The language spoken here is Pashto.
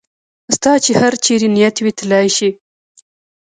ستا چې هر چېرې نیت وي تلای شې.